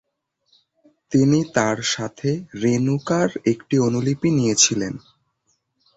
তিনি তার সাথে "রেণুকা"র একটি অনুলিপি নিয়েছিলেন।